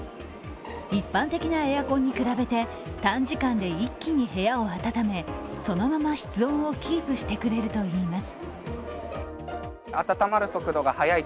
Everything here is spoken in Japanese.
一般的なエアコンに比べて短時間で一気に部屋をあたためそのまま室温をキープしてくれるといいます。